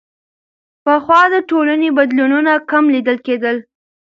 پخوا د ټولنې بدلونونه کم لیدل کېدل.